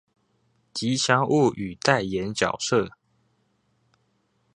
吉祥物與代言角色